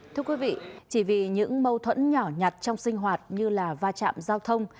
thưa quý vị chỉ vì những mâu thuẫn nhỏ nhặt trong sinh hoạt như là va chạm giao thông